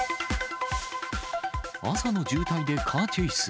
朝の渋滞でカーチェイス。